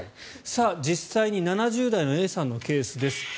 実際に７０代のＡさんのケースです。